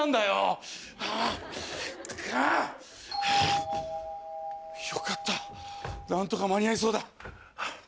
よかった何とか間に合いそうだ。